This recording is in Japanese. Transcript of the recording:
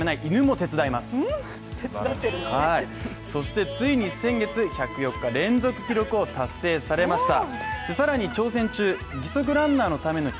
そしてついに先月１０４日連続記録を達成されました